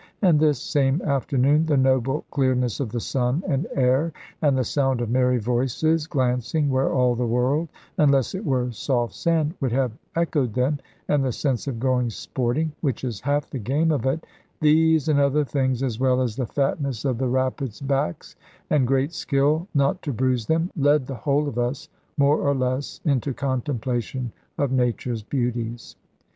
And this same afternoon the noble clearness of the sun and air, and the sound of merry voices glancing where all the world (unless it were soft sand) would have echoed them, and the sense of going sporting which is half the game of it these and other things, as well as the fatness of the rabbits' backs, and great skill not to bruise them, led the whole of us, more or less, into contemplation of Nature's beauties.